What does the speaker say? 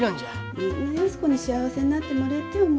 みんな安子に幸せになってもれえてえ思